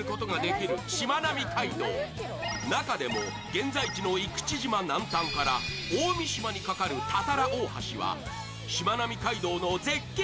現在地の生口島南端から大三島に架かる多々羅大橋はしまなみ海道の絶景